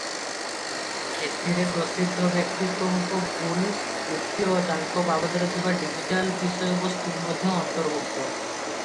ଏଥିରେ ପ୍ରସିଦ୍ଧ ବ୍ୟକ୍ତିତ୍ୱଙ୍କ ଭୁଲ ଉକ୍ତି ଓ ତାଙ୍କ ବାବଦରେ ଥିବା ଡିଜିଟାଲ ବିଷୟବସ୍ତୁ ମଧ୍ୟ ଅନ୍ତର୍ଭୁକ୍ତ ।